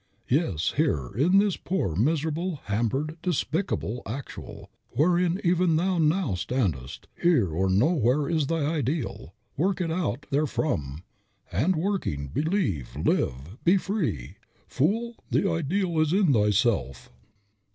Yes, here, in this poor, miserable, hampered, despicable Actual, wherein thou even now standest, here or nowhere is thy ideal; work it out therefrom, and, working, believe, live, be free. Fool! the ideal is in thyself."